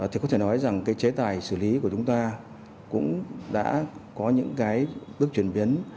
thì có thể nói rằng chế tài xử lý của chúng ta cũng đã có những bước chuyển biến